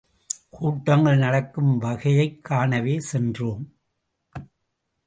கூட்டங்கள் நடக்கும் வகையைக் காணவே சென்றோம்.